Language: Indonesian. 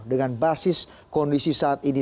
dengan basis kondisi saat ini